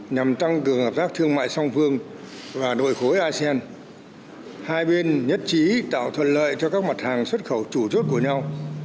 nhằm tăng cường hợp tác thương mại song phương và đội khối asean hai bên nhất trí tạo thuận lợi cho các mặt hàng xuất khẩu chủ chốt của nhau